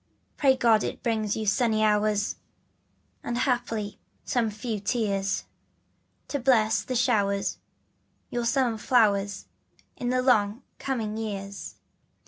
Pray God it brings you sunny hours And haply some few tears To bless like showers your summer flowers In the long coming years.